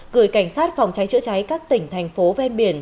gửi cảnh sát phòng cháy chữa cháy các tỉnh thành phố ven biển